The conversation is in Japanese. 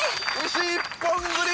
牛一本釣り！